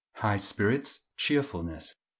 High spirits, cheerfulness.